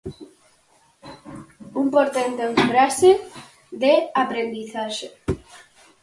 Un portento en fase de aprendizaxe.